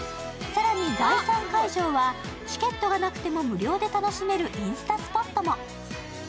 更に第３会場は、チケットがなくても無料で楽しめるインスタスポットも。